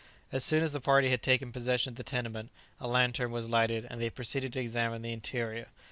As soon as the party had taken possession of the tenement, a lantern was lighted, and they proceeded to examine the interior.